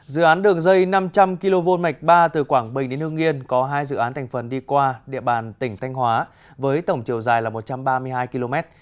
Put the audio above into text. dự án đường dây năm trăm linh kv mạch ba từ quảng bình đến hương nghiên có hai dự án thành phần đi qua địa bàn tỉnh thanh hóa với tổng chiều dài là một trăm ba mươi hai km